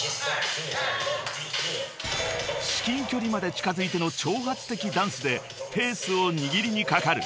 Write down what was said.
［至近距離まで近づいての挑発的ダンスでペースを握りにかかる］